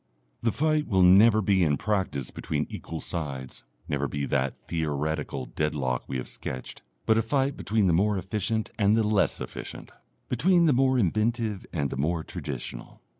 The fight will never be in practice between equal sides, never be that theoretical deadlock we have sketched, but a fight between the more efficient and the less efficient, between the more inventive and the more traditional.